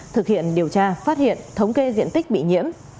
thực hiện điều tra phát hiện thống kê diện tích bị nhiễm